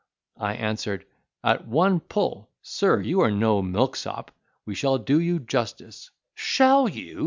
I answered, "At one pull, Sir, you are no milk sop—we shall do you justice." "Shall you?"